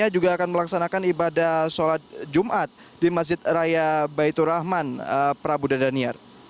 juga akan melaksanakan ibadah sholat jumat di masjid raya baitur rahman prabu dan daniar